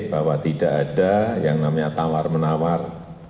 bahwa tidak ada yang namanya tawar menawar